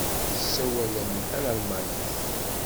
Tessawalem talmanit?